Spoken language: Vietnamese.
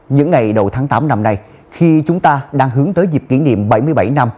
những ngày đầu tháng tám năm nay khi chúng ta đang hướng tới dịp kỷ niệm bảy mươi bảy năm